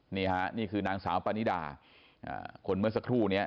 นี่ค่ะนี่คือนางสาวปานิดาคนเมื่อสักครู่นี้